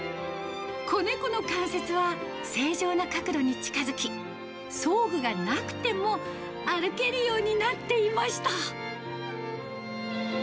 子猫の関節は正常な角度に近づき、装具がなくても歩けるようになっていました。